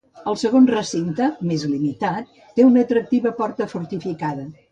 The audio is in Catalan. El segon recinte, més limitat, té una atractiva porta fortificada.